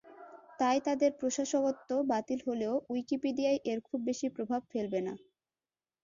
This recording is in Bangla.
তাই তাদের প্রশাসকত্ব বাতিল হলেও উইকিপিডিয়ায় এর খুব বেশি প্রভাব ফেলবে না।